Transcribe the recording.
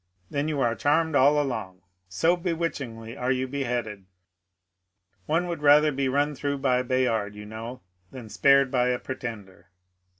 Then you are charmed all along — so be witchingly are you beheaded : one had rather be run through by Bayard, you know, than spared by a pretender.